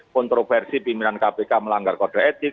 kontroversi pimpinan kpk melanggar kode etik